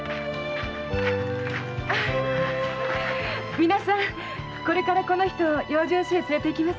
皆さんこれからこの人を養生所へ連れていきます。